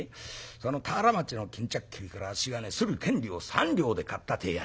その田原町の巾着切りからあっしがねする権利を３両で買ったというやつだ」。